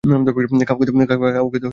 কাউকে তো খুঁজে বের করব আমরা।